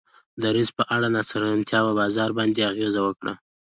دریځ په اړه ناڅرګندتیا په بازار باندې اغیزه وکړه.